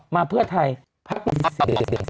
มาเพื่อทาย